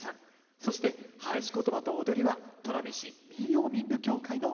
そしてはやし詞と踊りは砺波市民謡民舞協会の皆さんです。